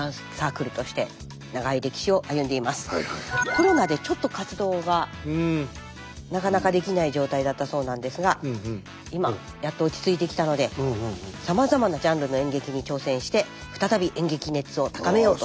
コロナでちょっと活動がなかなかできない状態だったそうなんですが今やっと落ち着いてきたのでさまざまなジャンルの演劇に挑戦して再び演劇熱を高めようとしています。